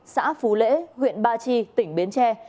xã phú lễ huyện ba chi tỉnh bến tre